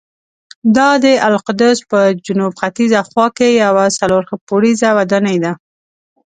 دا د القدس په جنوب ختیځه خوا کې یوه څلور پوړیزه ودانۍ ده.